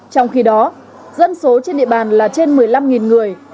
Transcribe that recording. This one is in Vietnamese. trong khi đó dân số trên địa bàn là trên một mươi năm người